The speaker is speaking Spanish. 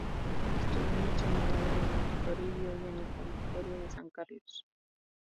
Estudió en el Seminario de Santo Toribio y en el Convictorio de San Carlos.